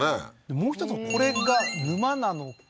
もう一つこれが沼なのか